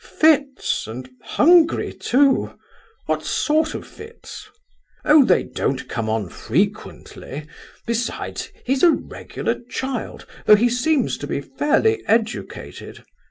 "Fits, and hungry too! What sort of fits?" "Oh, they don't come on frequently, besides, he's a regular child, though he seems to be fairly educated.